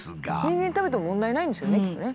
人間食べても問題ないんですよねきっとね。